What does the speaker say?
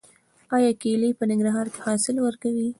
آیا کیلې په ننګرهار کې حاصل ورکوي؟